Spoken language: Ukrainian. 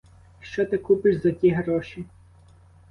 Що ти купиш за ті гроші?